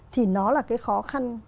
thì nó là cái khó khăn